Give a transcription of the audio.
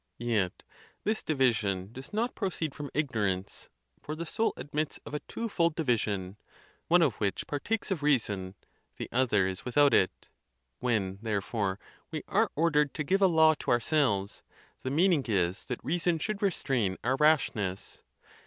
Yet this division does not proceed from igno rance; for. the soul admits of a twofold division, one of which partakes of reason, the other is without it. When, therefore, we are ordered to give a law to ourselves, the meaning is, that reason should restrain our rashness.